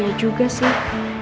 iyah juga sih